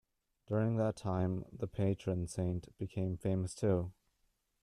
During that time the patron saint became famous too.